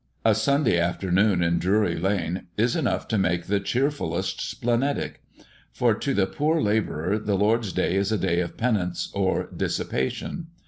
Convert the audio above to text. A Sunday afternoon in Drury lane is enough to make the cheerfullest splenetic. For to the poor labourer the Lord's day is a day of penance or dissipation.